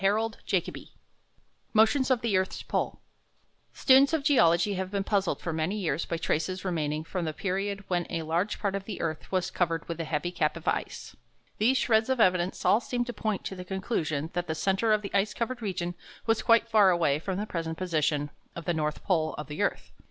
M. " Colonial """""" MOTIONS OF THE EARTH'S POLE Students of geology have been puzzled for many years by traces remaining from the period when a large part of the earth was covered with a heavy cap of ice. These shreds of evidence all seem to point to the conclusion that the centre of the ice covered region was quite far away from the present position of the north pole of the earth.